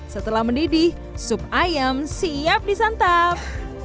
setelah mendidih sup ayam siap disantap